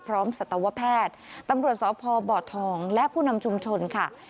พร้อมสัตวแพทย์ตำรวจสอบพ่อบ่อทองและผู้นำชุมชนค่ะ